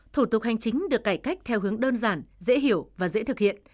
thủ tục hành chính được cải cách theo hướng đơn giản dễ hiểu và dễ thực hiện